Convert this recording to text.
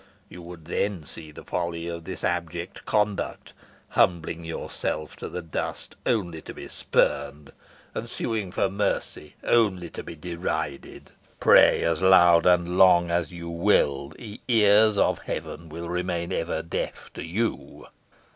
You would then see the folly of this abject conduct humbling yourself to the dust only to be spurned, and suing for mercy only to be derided. Pray as loud and as long as you will, the ears of Heaven will remain ever deaf to you."